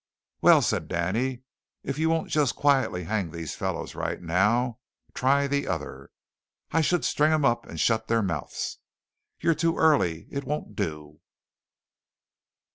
"Well," said Danny, "if you won't just quietly hang these fellows right now, try the other. I should string 'em up and shut their mouths. You're too early; it won't do."